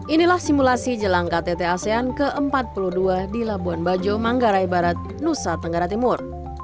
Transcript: inilah simulasi jelang ktt asean ke empat puluh dua di labuan bajo manggarai barat nusa tenggara timur